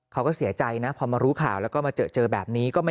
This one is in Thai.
เขาก็เสียใจนะพอมารู้ข่าวแล้วก็มาเจอแบบนี้